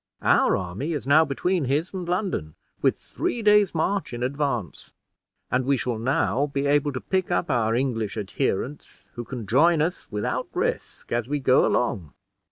Our army is now between his and London, with three days' march in advance. And we shall now be able to pick up our English adherents, who can join us without risk, as we go along.